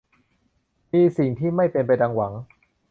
มีสิ่งที่ไม่เป็นไปดังหวัง